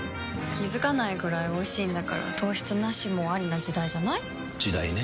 気付かないくらいおいしいんだから糖質ナシもアリな時代じゃない？時代ね。